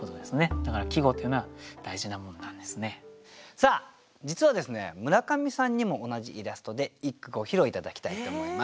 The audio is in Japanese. さあ実はですね村上さんにも同じイラストで一句ご披露頂きたいと思います。